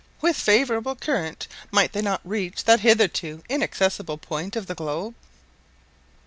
"With a favourable current might they not reach that hitherto inaccessible point of the globe?"